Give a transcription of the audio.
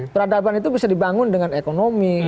peradaban itu bisa dibangun dengan ekonomi